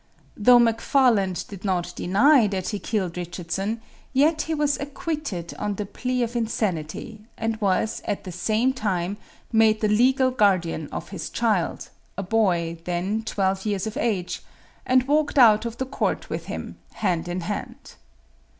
Though McFarland did not deny that he killed Richardson, yet he was acquitted on the plea of insanity, and was, at the same time, made the legal guardian of his child, a boy, then, twelve years of age, and walked out of the court with him, hand in hand.